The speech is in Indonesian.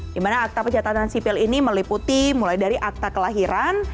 dimana akta pencatatan sipil ini meliputi mulai dari akta kelahiran